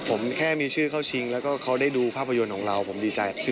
ผมแค่มีชื่อเข้าชิงแล้วก็เขาได้ดูภาพยนตร์ของเราผมดีใจ